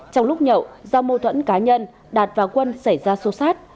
trong lúc nhậu do mâu thuẫn cá nhân đạt và quân xảy ra xô xát